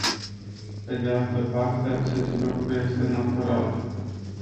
Pe de altă parte, acest lucru este natural.